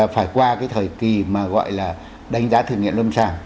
phải qua cái thời kì mà gọi là đánh giá thử nghiệm lâm sáng